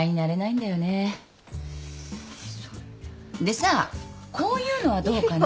でさあこういうのはどうかな？